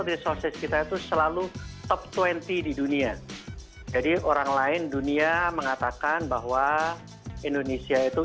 resources kita itu selalu top dua puluh di dunia jadi orang lain dunia mengatakan bahwa indonesia itu